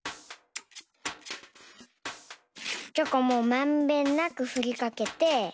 チョコもまんべんなくふりかけて。